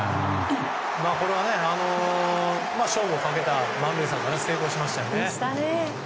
これは勝負をかけて満塁策が成功しましたよね。